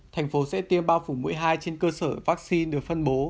thành phố sẽ tiêm bao phủ mũi hai trên cơ sở vaccine được phân bố